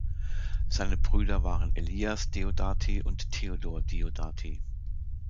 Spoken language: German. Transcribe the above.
Seine Brüder waren Elias Diodati und Theodor Diodati.